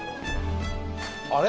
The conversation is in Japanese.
あれ？